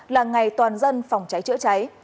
là ngày toàn dân phòng cháy trợ cháy